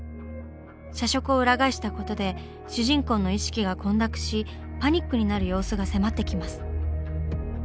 写植を裏返したことで主人公の意識が混濁しパニックになる様子が迫ってきます。